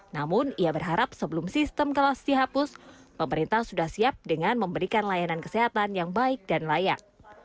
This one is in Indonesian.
namun ia berharap sebelum sistem kelas dihapus pemerintah sudah siap dengan memberikan layanan kesehatan yang baik dan layak